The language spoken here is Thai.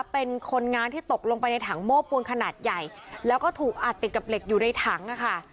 เป็นคนงานที่ตกลงไปในถังโม้ปูนขนาดใหญ่แล้วก็ถูกอัดติดกับเหล็กอยู่ในถังค่ะ